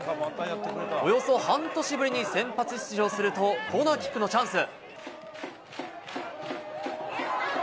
およそ半年ぶりに先発出場すると、コーナーキックのチャンス。